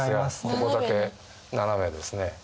ここだけ斜めですね。